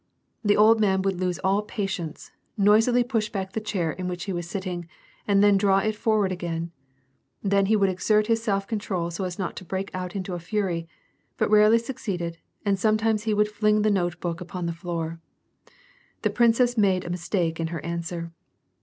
The old man would lose all patience ; noisily push back the chair in which he was sitting and then draw it for ward again ; then he would exert his self control so as not to break out into a fury, but rarely succeed, and sometimes he would fling the note book upon the floor. The princess anade a mistake in her answer.